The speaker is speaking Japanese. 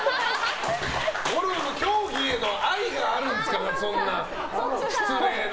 ゴルフ競技への愛があるんですから失礼な。